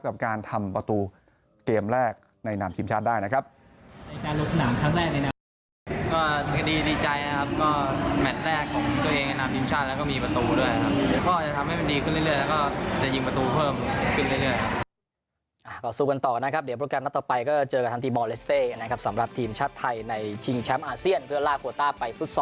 กับการทำประตูเกมแรกในนามทีมชาติได้นะครับ